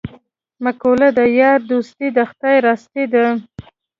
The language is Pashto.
مقوله ده: یاري دوستي د خدای راستي ده.